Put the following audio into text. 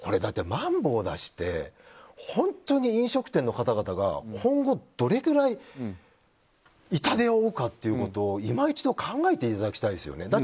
まん防出して本当に飲食店の方々が今後、どれぐらい痛手を負うかということを今一度考えていただきたいですよね。